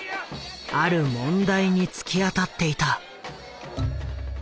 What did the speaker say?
ある問題に突き当たっていた。